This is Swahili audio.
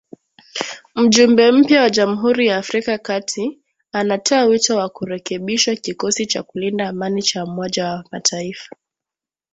Mjumbe mpya wa Jamhuri ya Afrika Kati anatoa wito wa kurekebishwa kikosi cha kulinda amani cha Umoja wa Mataifa.